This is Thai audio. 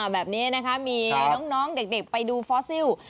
แบบนี้นะคะมีน้องเด็กไปดูฟอสซิล